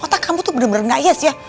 otak kamu tuh bener bener gak yes ya